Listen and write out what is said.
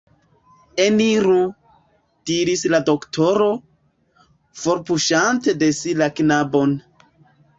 Eniru! diris la doktoro, forpuŝante de si la knabon.